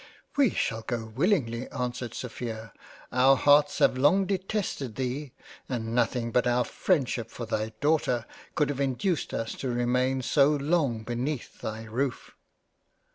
" We shall go willingly ; (answered Sophia) our hearts have long detested thee, and nothing but our freindship for thy Daughter could have induced us to remain so long be neath thy roof."